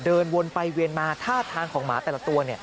เดินวนไปเวียนมาท่าทางของหมาแต่ละตัว